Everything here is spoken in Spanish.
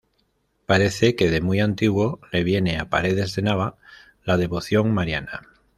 Parece que de muy antiguo le viene a Paredes de Nava la devoción mariana.